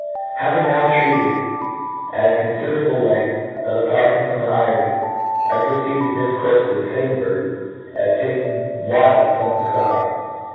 HAVING now treated, at a confiderablc length j of the faulcon frdm the eyrie, I proceed to'difcouffe of the fame bird as taken wild from the Iky.